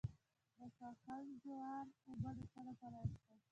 د کاکل جوار اوبه د څه لپاره وڅښم؟